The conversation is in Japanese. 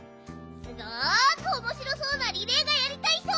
すごくおもしろそうなリレーがやりたいひと！